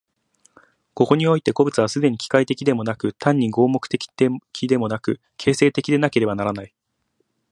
ここにおいて個物は既に機械的でもなく、単に合目的的でもなく、形成的でなければならない。